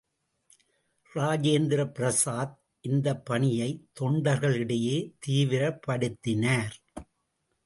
ராஜேந்திர பிரசாத் இந்தப் பணியை தொண்டர்கள் இடையே தீவிரப்படுத்தினார்.